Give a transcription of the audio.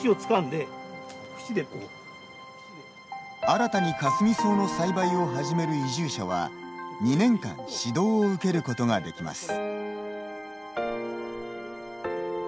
新たにかすみ草の栽培を始める移住者は、２年間指導を受けることができます。